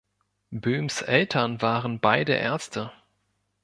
Böhms Eltern waren beide Ärzte.